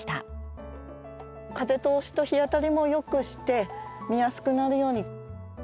風通しと日当たりもよくして見やすくなるように。